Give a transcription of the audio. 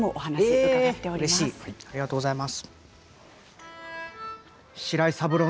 うれしいありがとうございます。